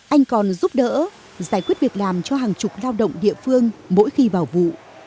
anh còn giúp đỡ giải quyết việc làm cho hàng chục lao động địa phương mỗi khi vào vụ